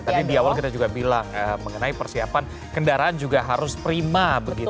tadi di awal kita juga bilang mengenai persiapan kendaraan juga harus prima begitu